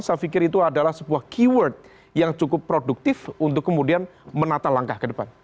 saya pikir itu adalah sebuah keyword yang cukup produktif untuk kemudian menata langkah ke depan